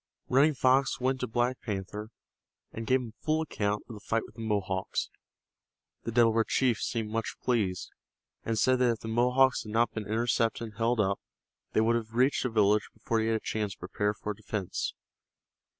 Running Fox went to Black Panther and gave him a full account of the fight with the Mohawks. The Delaware chief seemed much pleased, and said that if the Mohawks had not been intercepted and held up they would have reached the village before he had a chance to prepare for defense.